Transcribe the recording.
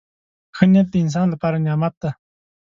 • ښه نیت د انسان لپاره نعمت دی.